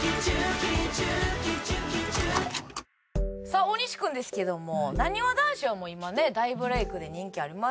さあ大西君ですけどもなにわ男子はもう今ね大ブレークで人気ありますから。